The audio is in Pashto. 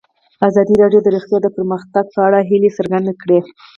ازادي راډیو د روغتیا د پرمختګ په اړه هیله څرګنده کړې.